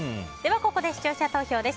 ここで視聴者投票です。